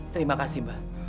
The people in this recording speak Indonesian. terima kasih mbah